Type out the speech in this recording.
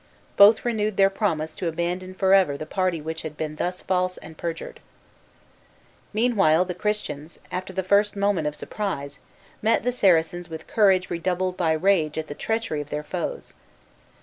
Both renewed their promise to abandon forever the party which had been thus false and perjured. Meanwhile, the Christians, after the first moment of surprise, met the Saracens with courage redoubled by rage at the treachery of their foes.